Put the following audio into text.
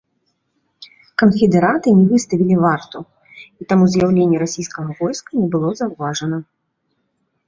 Канфедэраты не выставілі варту, і таму з'яўленне расійскага войска не было заўважана.